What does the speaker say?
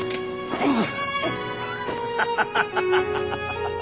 ハハハハハ！